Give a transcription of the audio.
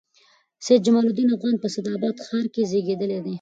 سید جمال الدین افغان په اسعداباد ښار کښي زېږېدلي دئ.